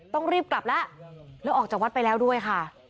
ต้องรีบกลับแล้วแล้วออกจากวัดไปแล้วด้วยค่ะ